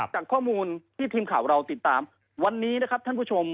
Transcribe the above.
จากข้อมูลที่ทีมข่าวเราติดตามวันนี้นะครับท่านผู้ชม